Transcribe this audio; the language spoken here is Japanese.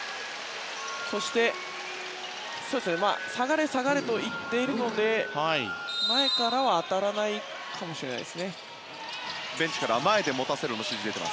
そして、下がれと言っているので前からは当たらないかもしれません。